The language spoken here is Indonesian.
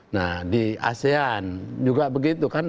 nah di asean juga begitu kan